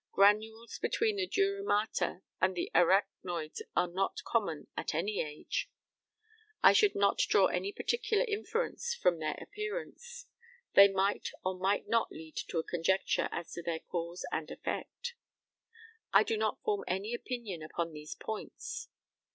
Granules between the dura mater and the arachnoid are not common at any age. I should not draw any particular inference from their appearance. They might or might not lead to a conjecture as to their cause and effect. I do not form any opinion upon these points.